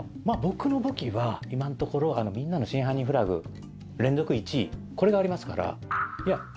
まぁ僕の武器は今のところ「みんなの真犯人フラグ」連続１位これがありますから。